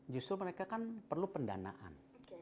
justru mereka kan perlu pendanaan